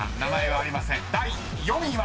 ［第４位は］